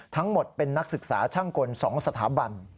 ทั้งหมดเป็นนักศึกษาช่างกล๒สถาบัน